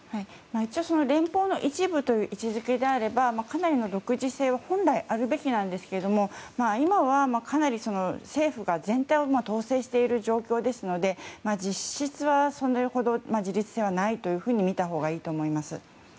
一応、連邦の一部という位置づけであればかなりの独自性は本来あるべきなんですが今は、かなり政府が全体を統制している状況ですので実質はそれほど自立性はないと見たほうがいいと思います。